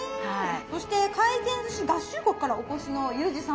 そして回転ずし合衆国からお越しのユージ様。